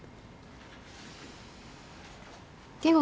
圭吾